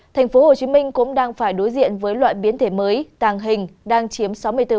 tp hcm cũng đang phải đối diện với loại biến thể mới tàng hình đang chiếm sáu mươi bốn